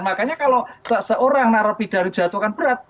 makanya kalau seorang narapi dari dijatuhkan berat